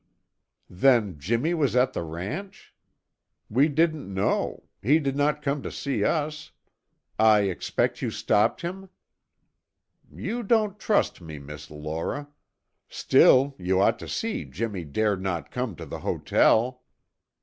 "Then, Jimmy was at the ranch? We didn't know; he did not come to see us. I expect you stopped him!" "You don't trust me, Miss Laura. Still you ought to see Jimmy dared not come to the hotel."